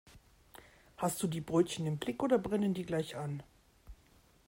Hast du die Brötchen im Blick oder brennen die gleich an?